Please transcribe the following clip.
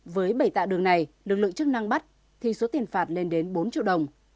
với bảy tạ đường này lực lượng chức năng bắt thì số tiền phạt lên đến bốn triệu đồng